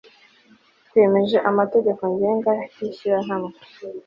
twemeje amategeko ngenga y'ishyirahamwe